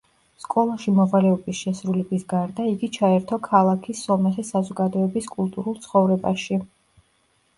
სკოლაში მოვალეობის შესრულების გარდა, იგი ჩაერთო ქალაქის სომეხი საზოგადოების კულტურულ ცხოვრებაში.